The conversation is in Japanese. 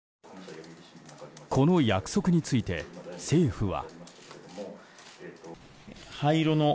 この約束について、政府は。